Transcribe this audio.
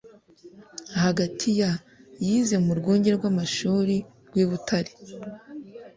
hagati ya - yize murwunge rw'amashuri rw'i butare